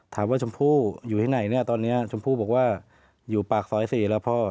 ชมพู่อยู่ที่ไหนเนี่ยตอนนี้ชมพู่บอกว่าอยู่ปากซอย๔แล้วพ่อ